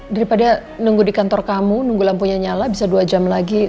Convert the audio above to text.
daripada nunggu di kantor kamu nunggu lampunya nyala bisa dua jam lagi